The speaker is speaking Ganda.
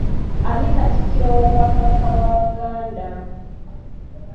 Ani katikkiro w'obwakabaka bwa Buganda?